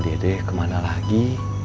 dede kemana lagi